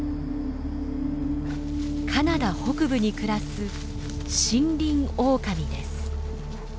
カナダ北部に暮らすシンリンオオカミです。